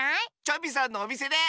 チョビさんのおみせで！